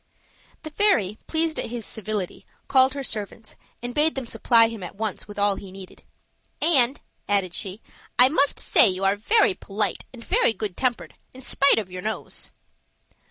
The fairy, pleased at his civility, called her servants and bade them supply him at once with all he needed. "And," added she, "I must say you are very polite and very good tempered, in spite of your nose."